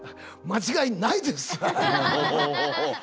間違いないです！